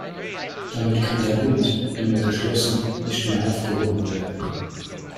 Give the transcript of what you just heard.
Damit kann der Bund, einmal geschlossen, nicht mehr aufgehoben werden.